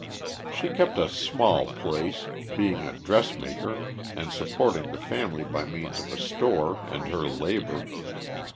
She kept a small place, being a dress maker and supporting the family by means of a store and her labor.